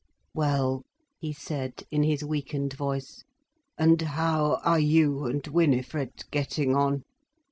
"Well," he said in his weakened voice, "and how are you and Winifred getting on?"